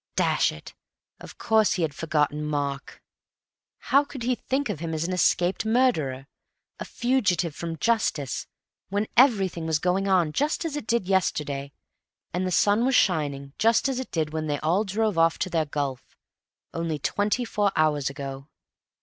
Dash it, of course he had forgotten Mark. How could he think of him as an escaped murderer, a fugitive from justice, when everything was going on just as it did yesterday, and the sun was shining just as it did when they all drove off to their golf, only twenty four hours ago?